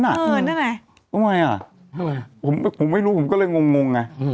ทำไมผมไม่รู้ก็เลยงง